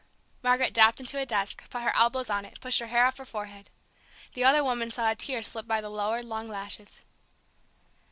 Margaret dropped into a desk, put her elbows on it, pushed her hair off her forehead. The other woman saw a tear slip by the lowered, long lashes.